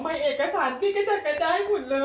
พี่จะได้หมดเลย